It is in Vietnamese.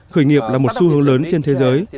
khởi nghiệp là một xu hướng lớn trên thế giới